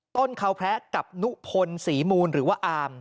ต้นเขาแพ้กับนุพลศรีมูลหรือว่าอาม